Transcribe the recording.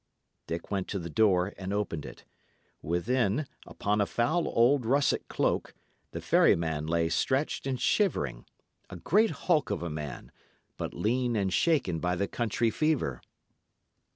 Dick went to the door and opened it. Within, upon a foul old russet cloak, the ferryman lay stretched and shivering; a great hulk of a man, but lean and shaken by the country fever.